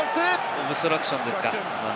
オブストラクションですか？